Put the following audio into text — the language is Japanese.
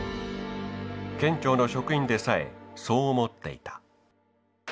県庁の職員でさえそう思っていた。